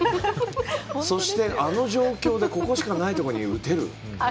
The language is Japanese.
そして、あの状況でここしかないところに打てる。